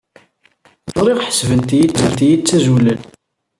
Ẓriɣ ḥesbent-iyi d tazulalt.